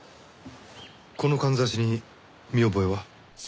このかんざしに見覚えは？